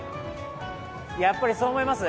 やっぱりそう思います？